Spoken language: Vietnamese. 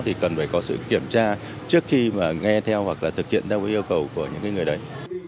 thì cần phải có sự kiểm tra trước khi mà nghe theo hoặc là thực hiện theo yêu cầu của những người đấy